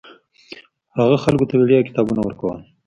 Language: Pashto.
هغه خلکو ته وړیا کتابونه ورکول.